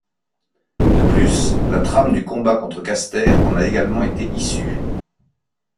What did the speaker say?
De plus, la trame du combat contre Caster en a également été issue.